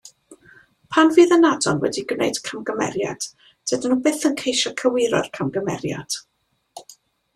Pan fydd ynadon wedi gwneud camgymeriad, dydyn nhw byth yn ceisio cywiro'r camgymeriad.